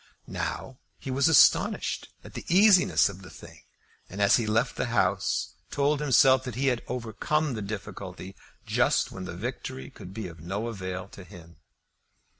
Now he was astonished at the easiness of the thing, and as he left the House told himself that he had overcome the difficulty just when the victory could be of no avail to him.